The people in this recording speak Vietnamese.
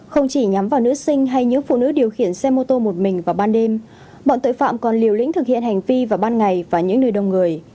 không chỉ nhắm vào nữ sinh hay những phụ nữ điều khiển xe mô tô một mình vào ban đêm bọn tội phạm còn liều lĩnh thực hiện hành vi vào ban ngày và những nơi đông người